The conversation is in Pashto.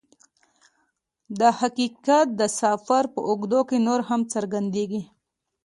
دا حقیقت د سفر په اوږدو کې نور هم څرګندیږي